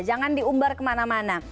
jangan diumbar kemana mana